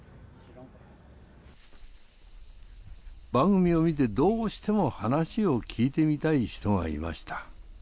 番組を見てどうしても話を聞いてみたい人がいました。